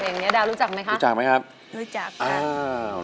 เพลงนี้ดาวรู้จักไหมครับรู้จักครับ